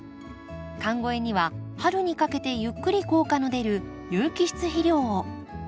寒肥には春にかけてゆっくり効果の出る有機質肥料を。